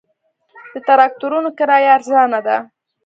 د تراکتورونو کرایه ارزانه ده